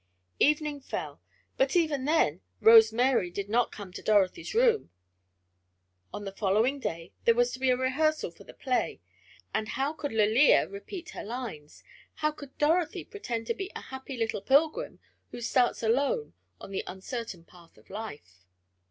Evening fell, but even then Rose Mary did not come to Dorothy's room. On the following day there was to be a rehearsal for the play, and how could Lalia repeat her lines? How could Dorothy pretend to be the happy little pilgrim who starts alone on the uncertain path of life?